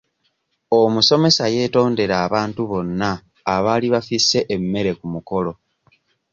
Omusomesa yeetondera abantu bonna abaali bafisse emmere ku mukolo.